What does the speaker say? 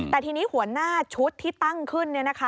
แต่ทีนี้หัวหน้าชุดที่ตั้งขึ้น